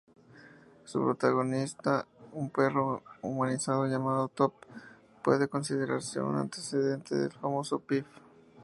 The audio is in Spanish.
Su protagonista, un perro humanizado llamado Top, puede considerarse un antecedente del famoso Pif.